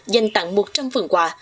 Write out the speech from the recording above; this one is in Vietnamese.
dành tặng một trăm linh phần quà